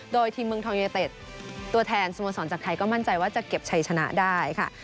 โดยทีมเมืองทองยูเนเต็ดตัวแทนสโมสรจากไทยก็มั่นใจว่าจะเก็บชัยชนะได้ค่ะ